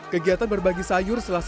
kegiatan berbagi sayur selama dua hari